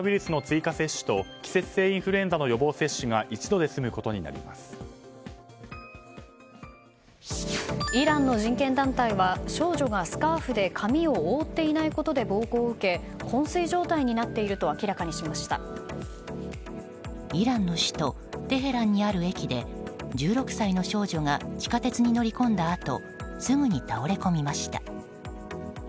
完成すれば新型コロナウイルスの追加接種と季節性インフルエンザの予防接種がイランの人権団体は少女がスカーフで髪を覆っていないことで暴行を受け昏睡状態になっているとイランの首都テヘランにある駅で１６歳の少女が地下鉄に乗り込んだあとすぐに倒れ込みました。